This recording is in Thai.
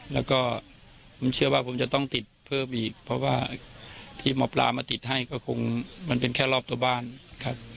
แล้วก็ผมเชื่อว่าผมจะต้องติดเพิ่มอีกเพราะว่าที่หมอปลามาติดให้ก็คงมันเป็นแค่รอบตัวบ้านครับ